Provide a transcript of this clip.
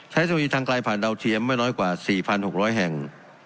ใช้เป็นวิจัยทางไกลภาพแบบเดาเทียมไม่น้อยกว่า๔๖๐๐แห่ง